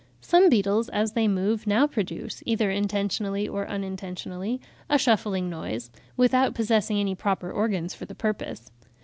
Some beetles as they move, now produce, either intentionally or unintentionally, a shuffling noise, without possessing any proper organs for the purpose.